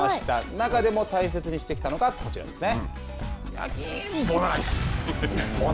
中でも大切にしてきたのが、こちらですね。